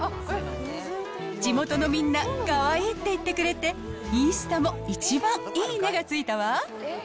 地元のみんな、かわいいって言ってくれて、インスタも一番いいねがついたわ。